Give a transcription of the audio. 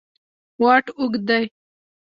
واټ اوږد دی.